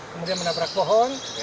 kemudian menabrak pohon